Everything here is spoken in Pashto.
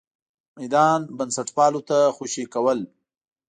میدان بنسټپالو ته خوشې کول.